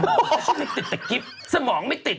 มันติดแต่กิฟต์สมองไม่ติด